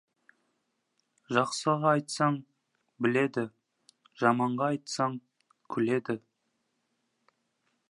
Жақсыға айтсаң, біледі, жаманға айтсаң, күледі.